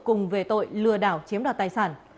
cùng về tội lừa đảo chiếm đoạt tài sản